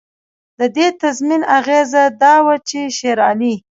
د دې تضمین اغېزه دا وه چې شېرعلي.